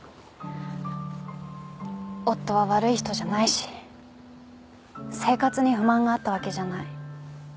夫は悪い人じゃないし生活に不満があったわけじゃない。